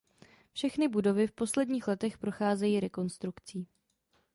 Všechny budovy v posledních letech procházejí rekonstrukcí.